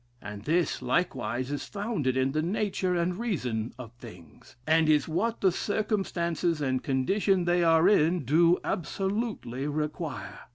And this, likewise, is founded in the nature and reason of things; and is what the circumstances and condition they are in do absolutely require.